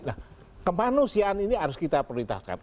nah kemanusiaan ini harus kita prioritaskan